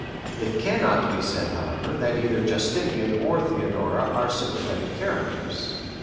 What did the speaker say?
It cannot be said, however, that either Justinian or Theodora are sympathetic characters.